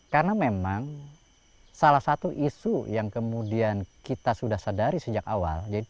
karena memang salah satu isu yang kemudian kita sudah sadari sejak awal